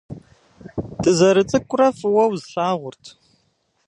Дызэрыцӏыкӏурэ фӏыуэ услъагъурт.